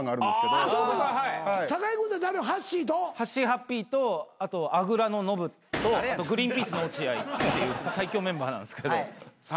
はっぴーとあとあぐらののぶとぐりんぴーすの落合っていう最強メンバーなんすけど。